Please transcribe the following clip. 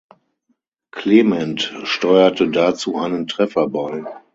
Clement steuerte dazu einen Treffer bei.